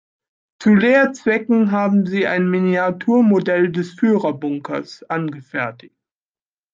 Zu Lehrzwecken haben sie ein Miniaturmodell des Führerbunkers angefertigt.